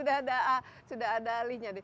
enggak lah ini sudah ada alihnya